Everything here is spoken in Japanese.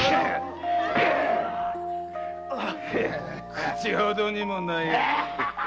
口ほどにもないやつ。